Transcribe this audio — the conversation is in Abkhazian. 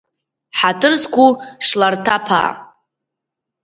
Ҳаҭыр зқәу, Шларҭаԥаа.